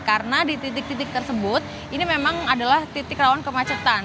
karena di titik titik tersebut ini memang adalah titik rawan kemacetan